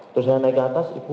terus saya naik ke atas ibu